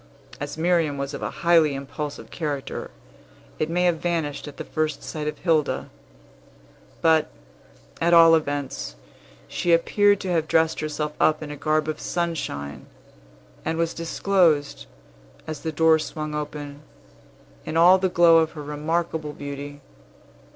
As Miriam was of a highly impulsive character, it may have vanished at the first sight of Hilda; but, at all events, she appeared to have dressed herself up in a garb of sunshine, and was disclosed, as the door swung open, in all the glow of her remarkable beauty.